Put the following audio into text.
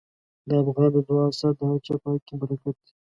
د افغان د دعا اثر د هر چا په حق کې برکت دی.